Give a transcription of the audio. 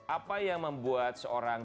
apa yang membuat seorang